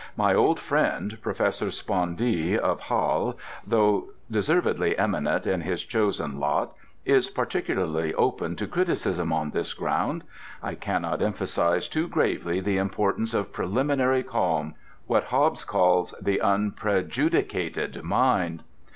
My old friend, Professor Spondee, of Halle, though deservedly eminent in his chosen lot, is particularly open to criticism on this ground. I cannot emphasize too gravely the importance of preliminary calm—what Hobbes calls "the unprejudicated mind."